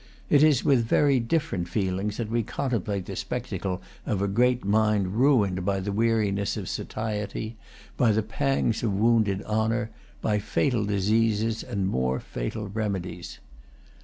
It is with very different feelings that we contemplate the spectacle of a great mind ruined by the weariness of satiety, by the pangs of wounded honour, by fatal diseases, and more fatal remedies.